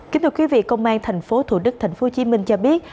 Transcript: kính thưa quý vị công an tp thủ đức tp hcm cho biết